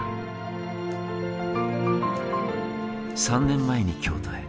３年前に京都へ。